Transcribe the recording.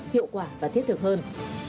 hiệu quả và thiết thực hơn